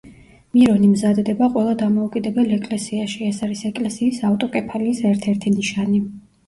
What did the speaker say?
მირონი მზადდება ყველა დამოუკიდებელ ეკლესიაში, ეს არის ეკლესიის ავტოკეფალიის ერთ-ერთი ნიშანი.